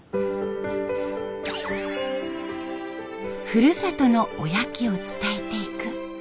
ふるさとのおやきを伝えていく。